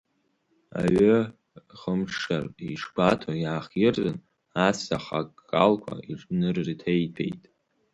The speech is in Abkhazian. Аҩы хымҽҽартә иҽгәаҭо иаахиртын, аҵәца хаккалақәа инырҭеиҭәеит.